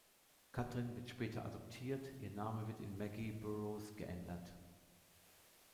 Kathryn wird später adoptiert, ihr Name wird in "Maggie Burroughs" geändert.